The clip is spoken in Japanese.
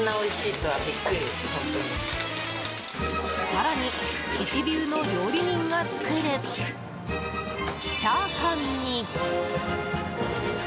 更に、一流の料理人が作るチャーハンに。